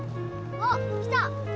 あっ来た！